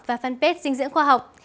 và fanpage dinh dưỡng khoa học